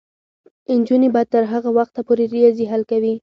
نجونې به تر هغه وخته پورې ریاضي حل کوي.